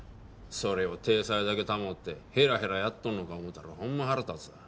それを体裁だけ保ってヘラヘラやっとんのか思うたらほんま腹立つな。